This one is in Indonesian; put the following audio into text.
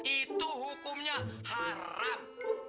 itu hukumnya haram